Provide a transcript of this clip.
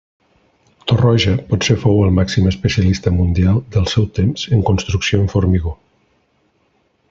Torroja potser fou el màxim especialista mundial del seu temps en construcció en formigó.